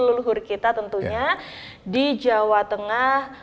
leluhur kita tentunya di jawa tengah